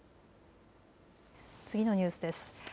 次のニュースです。